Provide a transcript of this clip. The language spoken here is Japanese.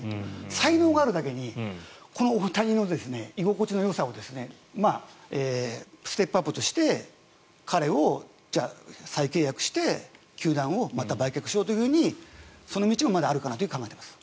才能があるだけにこの大谷の、居心地のよさをステップアップとして彼と再契約して球団をまた売却しようというその道もまだあるかなと考えています。